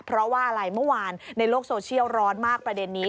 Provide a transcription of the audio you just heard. เพราะว่าอะไรเมื่อวานในโลกโซเชียลร้อนมากประเด็นนี้